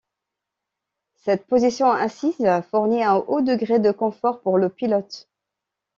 Cette position assise fournit un haut degré de confort pour le pilote.